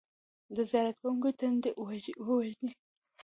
د زیارت کوونکو تنده ووژني.